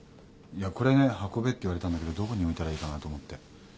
これね運べって言われたんだけどどこに置いたらいいかなと思って。